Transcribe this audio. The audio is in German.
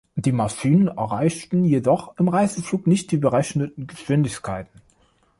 Die Maschinen erreichten jedoch im Reiseflug nicht die berechneten Geschwindigkeiten.